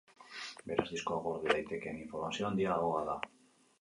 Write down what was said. Beraz, diskoa gorde daitekeen informazioa handiagoa da.